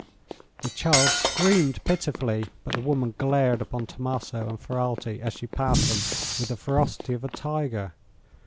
The child screamed pitifully, but the woman glared upon Tommaso and Ferralti, as she passed them, with the ferocity of a tiger.